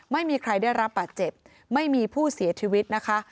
ไม่มีใครได้รับบาดเจ็บไม่มีผู้เสียชีวิตนะคะ